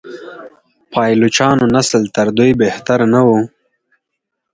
پایلوچانو نسل تر دوی بهتر نه و.